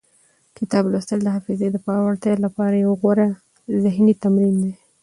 کتاب لوستل د حافظې د پیاوړتیا لپاره یو غوره ذهني تمرین دی.